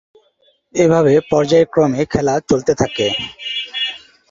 এভাবে পর্যায়ক্রমে খেলা চলতে থাকে।